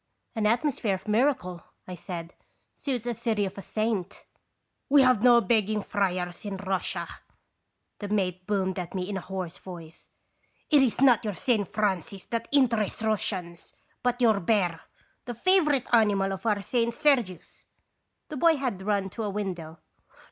"An atmosphere of miracle," I said, "suits a city of a saint." "We have no begging friars in Russia," the mate boomed at me in a hoarse voice. " It is not your St. Francis that interests Russians, but your bear, the favorite animal of our St. Sergius." The boy had run to a window.